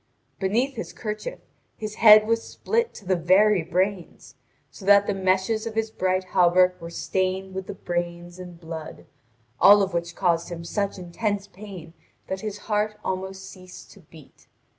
Beneath his kerchief his head was split to the very brains, so that the meshes of his bright hauberk were stained with the brains and blood, all of which caused him such intense pain that his heart almost ceased to beat.